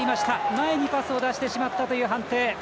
前にパスを出してしまった判定。